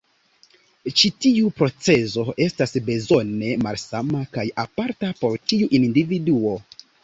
Ĉi tiu procezo estas bezone malsama kaj aparta por ĉiu individuo.